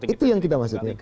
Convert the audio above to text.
itu yang kita maksudkan